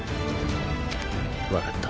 分かった。